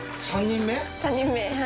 ３人目。